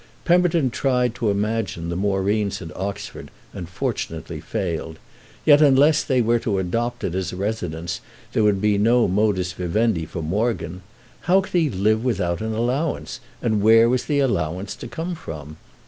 Pemberton tried to imagine the Moreens at Oxford and fortunately failed; yet unless they were to adopt it as a residence there would be no modus vivendi for Morgan. How could he live without an allowance, and where was the allowance to come from?